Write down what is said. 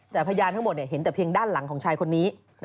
แต่พยานทั้งหมดเห็นแต่เพียงด้านหลังของชายคนนี้